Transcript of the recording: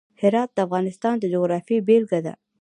هرات د افغانستان د جغرافیې بېلګه ده.